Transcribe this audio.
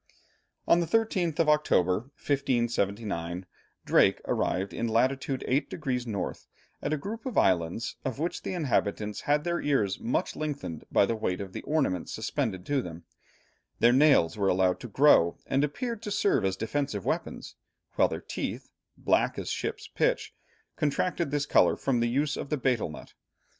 On the 13th of October, 1579, Drake arrived in latitude 8 degrees north, at a group of islands of which the inhabitants had their ears much lengthened by the weight of the ornaments suspended to them; their nails were allowed to grow, and appeared to serve as defensive weapons, while their teeth, "black as ship's pitch," contracted this colour from the use of the betel nut.